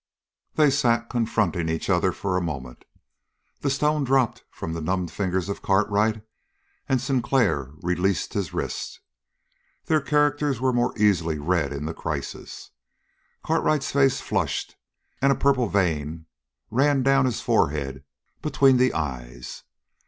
They sat confronting each other for a moment. The stone dropped from the numbed fingers of Cartwright, and Sinclair released his wrist. Their characters were more easily read in the crisis. Cartwright's face flushed, and a purple vein ran down his forehead between the eyes.